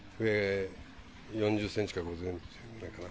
４０ｃｍか５０ｃｍくらいかな。